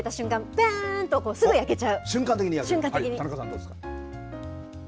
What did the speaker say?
パーンとすぐ焼けちゃう。。